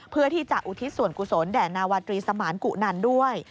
เพื่อที่จะอุทิศส่วนกุศลแด่นาวาตรีสมานกุนันด้วย